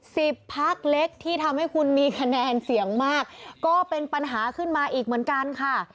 พักเล็กที่ทำให้คุณมีคะแนนเสียงมากก็เป็นปัญหาขึ้นมาอีกเหมือนกันค่ะ